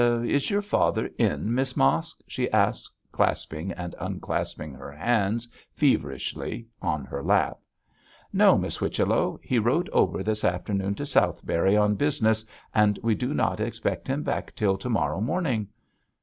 'Is your father in, Miss Mosk?' she asked, clasping and unclasping her hands feverishly on her lap. 'No, Miss Whichello. He rode over this afternoon to Southberry on business, and we do not expect him back till to morrow morning.